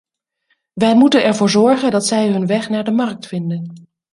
Wij moeten ervoor zorgen dat zij hun weg naar de markt vinden.